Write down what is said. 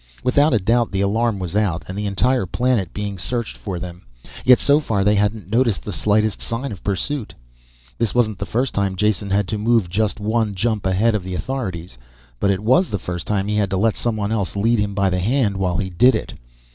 Without a doubt the alarm was out and the entire planet being searched for them. Yet so far they hadn't noticed the slightest sign of pursuit. This wasn't the first time Jason had to move just one jump ahead of the authorities but it was the first time he had let someone else lead him by the hand while he did it.